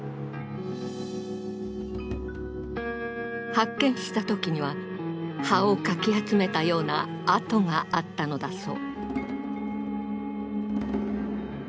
発見した時には葉をかき集めたような跡があったのだそう。